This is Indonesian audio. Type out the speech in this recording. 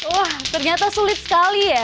wah ternyata sulit sekali ya